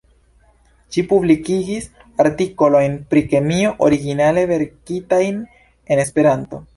Ĝi publikigis artikolojn pri kemio originale verkitajn en Esperanto.